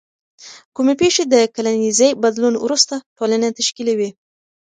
کومې پیښې د کلنیزې بدلون وروسته ټولنه تشکیلوي؟